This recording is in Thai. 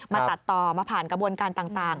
ตัดต่อมาผ่านกระบวนการต่าง